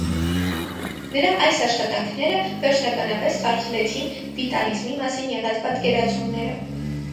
Նրա այս աշխատանքները վերջնականապես խարխլեցին վիտալիզմի մասին եղած պատկերացումները։